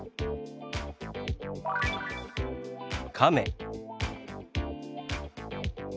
「亀」。